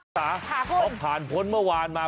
สาพอผ่านพ้นเมื่อวานมา